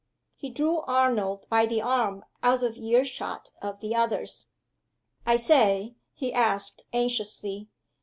He drew Arnold by the arm out of ear shot of the others. "I say!" he asked, anxiously.